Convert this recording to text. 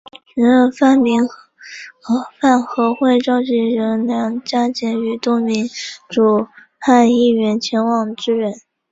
时任泛民饭盒会召集人梁家杰与多名民主派议员前往支援。